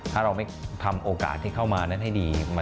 ถ้าเราไม่ทำโอกาสที่เข้ามานั้นให้ดี